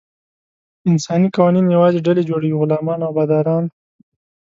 انساني قوانین یوازې ډلې جوړوي: غلامان او باداران.